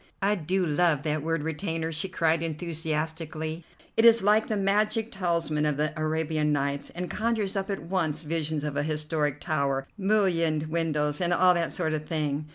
"I do love that word 'retainer,'" she cried enthusiastically. "It is like the magic talisman of the 'Arabian Nights,' and conjures up at once visions of a historic tower, mullioned windows, and all that sort of thing.